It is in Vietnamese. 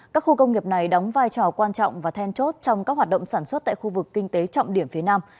các khu công nghiệp này đóng vai trò quan trọng và then chốt trong các hoạt động sản xuất tại khu vực kinh tế trọng điểm phía nam